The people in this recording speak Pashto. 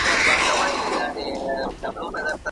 زاغ مه اوسئ.